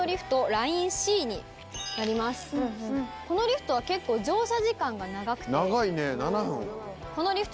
このリフトは乗車時間が長くて。